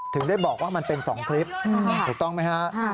ถึงได้บอกว่ามันเป็น๒คลิปถูกต้องไหมฮะ